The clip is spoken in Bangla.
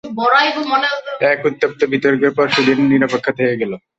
এক উত্তপ্ত বিতর্কের পর সুইডেন নিরপেক্ষ থেকে গেল।